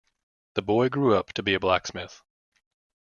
The boy grew up to be a blacksmith.